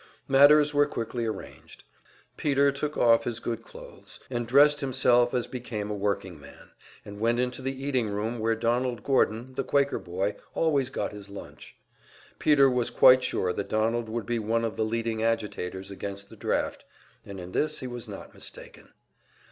Matters were quickly arranged. Peter took off his good clothes, and dressed himself as became a workingman, and went into the eating room where Donald Gordon, the Quaker boy, always got his lunch. Peter was quite sure that Donald would be one of the leading agitators against the draft, and in this he was not mistaken.